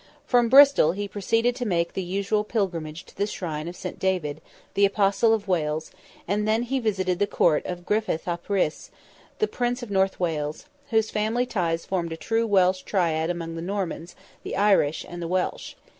From Bristol he proceeded to make the usual pilgrimage to the shrine of St. David, the Apostle of Wales, and then he visited the Court of Griffith ap Rhys, Prince of North Wales, whose family ties formed a true Welsh triad among the Normans, the Irish, and the Welsh.